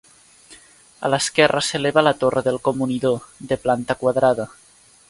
A l'esquerra s'eleva la torre del comunidor, de planta quadrada.